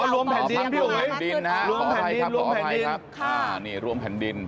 อ๋อรวมแผ่นดินครับขออภัยครับรวมแผ่นดิน